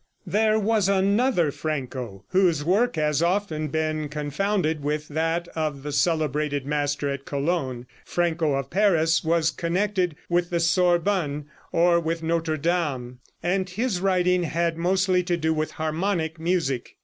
There was another Franco whose work has often been confounded with that of the celebrated master at Cologne. Franco of Paris was connected with the Sorbonne or with Notre Dame, and his writing had mostly to do with harmonic music.